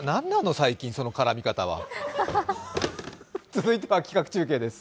最近、その絡み方は。続いては企画中継です。